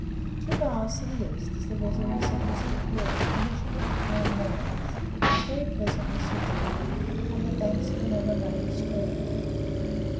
Two miles to the east is the residence of Mr. Poullett, Commissioner of Crown Lands, which is very pleasantly situated on the banks of an ever running stream.